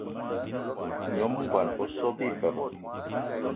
Nyom ngón o so bi beba.